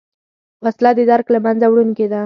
وسله د درک له منځه وړونکې ده